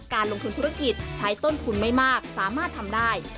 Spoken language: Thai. การลงทุนธุรกิจใช้ต้นทุนไม่มากสามารถทำได้